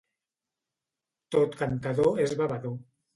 Tot cantador és bevedor.